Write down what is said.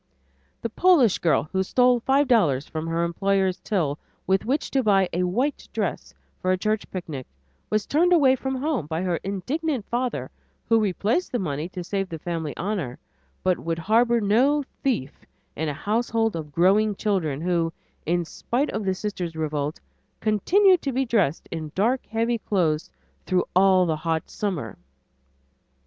The Polish girl who stole five dollars from her employer's till with which to buy a white dress for a church picnic was turned away from home by her indignant father who replaced the money to save the family honor, but would harbor no "thief" in a household of growing children who, in spite of the sister's revolt, continued to be dressed in dark heavy clothes through all the hot summer.